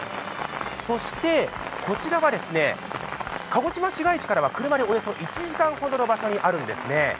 そして、こちらは鹿児島市街地からは車でおよそ１時間ほどのところにあるんですね。